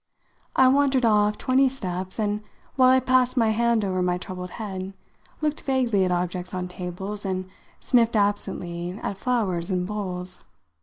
I wandered off twenty steps and, while I passed my hand over my troubled head, looked vaguely at objects on tables and sniffed absently at flowers in bowls.